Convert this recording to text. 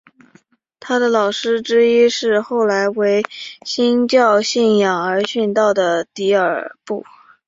他的老师之一是后来为新教信仰而殉道的迪布尔。